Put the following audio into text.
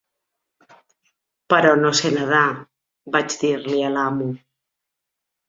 "Però no sé nedar", vaig dir-li a l'amo.